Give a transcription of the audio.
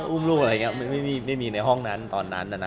อ้ออุ้มลูกอะไรอย่างเงี้ยไม่มีไม่มีในห้องนั้นตอนนั้นอะนะ